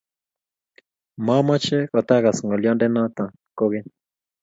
Mameche kutaagas ng'olyonde noto kukeny.